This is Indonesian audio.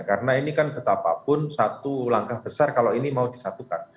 karena ini kan ketapapun satu langkah besar kalau ini mau disatukan